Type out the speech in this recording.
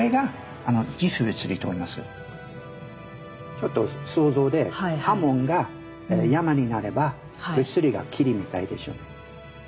ちょっと想像で刃文が山になれば映りが霧みたいでしょ。